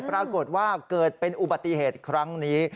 ปรากฏว่าเกิดเป็นอุบัติเหตุครั้งนี้